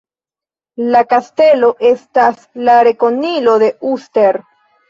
La kastelo estas la rekonilo de Uster.